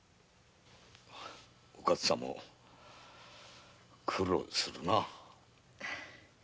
お勝さんも苦労するなぁ。